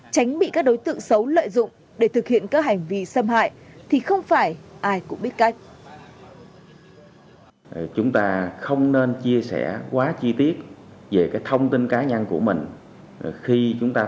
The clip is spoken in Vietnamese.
tránh bị các đối tượng xấu lợi dụng để thực hiện các hành vi xâm hại thì không phải ai cũng biết cách